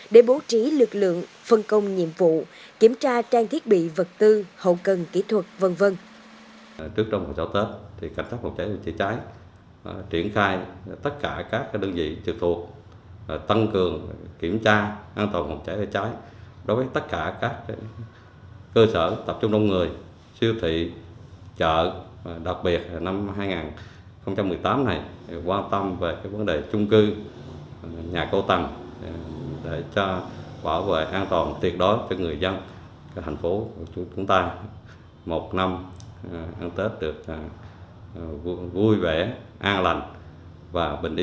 để bố trí lực lượng phân công nhiệm vụ kiểm tra trang thiết bị vật tư hậu cần kỹ thuật v v